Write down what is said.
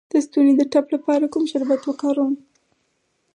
د ستوني د ټپ لپاره کوم شربت وکاروم؟